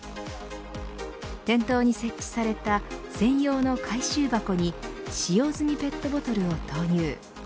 店頭に設置された専用の回収箱に使用済みペットボトルを投入。